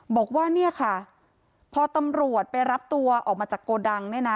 บอกว่าเนี่ยค่ะพอตำรวจไปรับตัวออกมาจากโกดังเนี่ยนะ